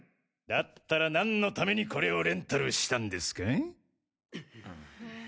だったらなんの為にこれをレンタルしたんですか？